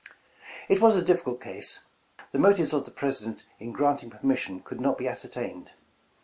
"It was a difficult case. The motives of the President in granting permission could not be ascertained.